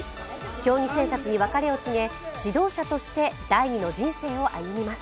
競技生活に別れを告げ指導者として第二の人生を歩みます。